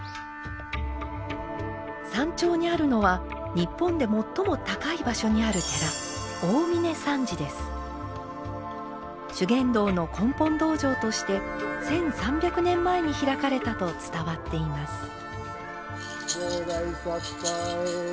山頂にあるのは日本で最も高い場所にある寺修験道の根本道場として１，３００年前に開かれたと伝わっています。